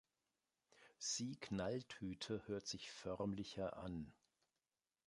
Sie Knalltüte hört sich förmlicher an.